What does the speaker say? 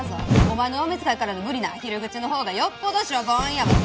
お前の上目遣いからの無理なアヒル口のほうがよっぽどしょぼんやわ。